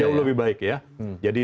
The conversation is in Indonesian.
jauh lebih baik ya